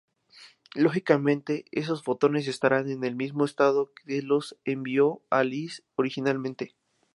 Lógicamente, esos fotones estarán en el mismo estado que los que envió Alice originalmente.